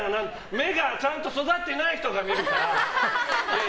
目がちゃんと育ってない人が見るから！